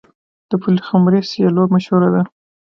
د پلخمري سیلو مشهوره ده.